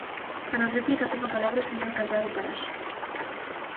Para a réplica ten a palabra o señor Cadrado Paraxes.